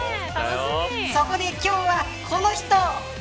そこで今日はこの人。